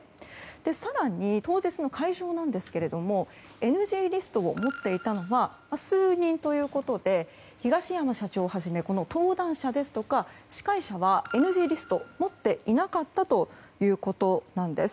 更に当日の会場ですがＮＧリストを持っていたのは数人ということで東山社長をはじめ登壇者ですとか司会者はＮＧリストを持っていなかったということです。